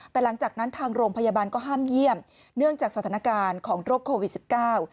แต่หลังจากนั้นทางโรงพยาบาลก็ห้ามเยี่ยมเนื่องจากสถานการณ์ของโรคโควิดสิบเก้า